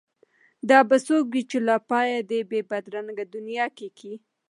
دا به څوک وي چي لا پايي دې بې بد رنګه دنیاګۍ کي